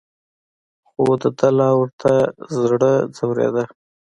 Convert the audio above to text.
خو دده لا ورته زړه ځورېده.